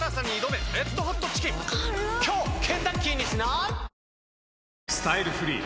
「アサヒスタイルフリー」！